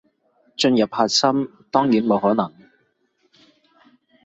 進入核心，當然冇可能